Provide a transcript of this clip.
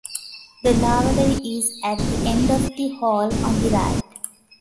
The lavatory is at the end of the hall on the right.